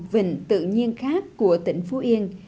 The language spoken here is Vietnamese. vịnh tự nhiên khác của tỉnh phú yên